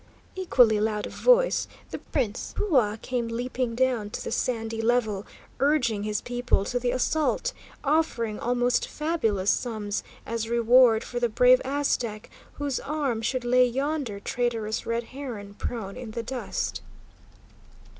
Equally loud of voice, the Prince Hua came leaping down to the sandy level, urging his people to the assault, offering almost fabulous sums as reward for the brave Aztec whose arm should lay yonder traitorous Red Heron prone in the dust.